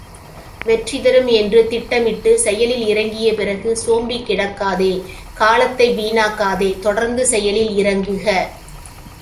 வெற்றி தரும் என்று திட்டமிட்டுச் செயலில் இறங்கிய பிறகு சோம்பிக் கிடக்காதே காலத்தை வீணாக்காதே தொடர்ந்து செயலில் இறங்குக.